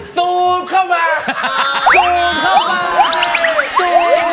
ซูปเข้าไป